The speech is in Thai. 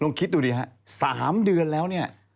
ลุงคิดดูดิครับสามเดือนแล้วเนี่ย